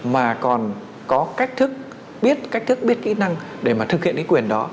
mà còn có cách thức biết cách thức biết kỹ năng để mà thực hiện cái quyền đó